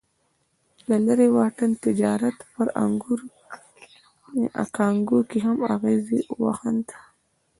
د لرې واټن تجارت پر کانګو یې هم اغېز وښند.